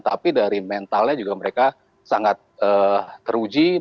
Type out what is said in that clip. tapi dari mentalnya juga mereka sangat teruji